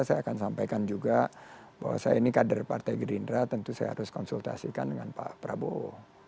saya akan sampaikan juga bahwa saya ini kader partai gerindra tentu saya harus konsultasikan dengan pak prabowo